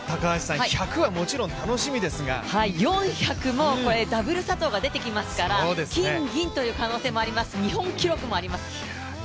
１００はもちろん楽しみですが４００もダブル佐藤が出てきますから金銀という可能性もあります。